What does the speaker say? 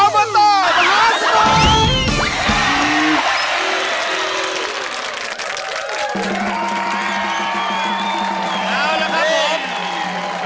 อบตมหาสนุก